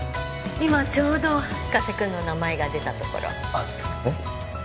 今ちょうど加瀬君の名前が出たところえっ？